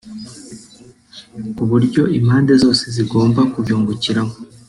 ku buryo impande zose zigomba kubyungukiramo